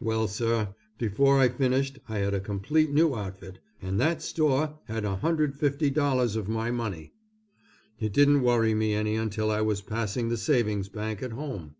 Well, sir, before I finished I had a complete new outfit, and that store had $150 of my money. It didn't worry me any until I was passing the Savings Bank at home.